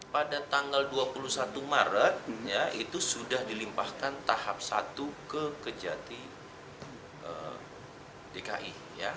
pada tanggal dua puluh satu maret itu sudah dilimpahkan tahap satu ke kejati dki